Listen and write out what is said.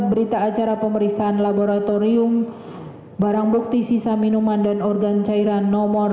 berita acara pemeriksaan laboratorium barang bukti sisa minuman dan organ cairan nomor